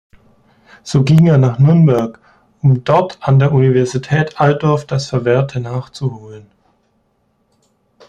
So ging er nach Nürnberg, um dort an der Universität Altdorf das Verwehrte nachzuholen.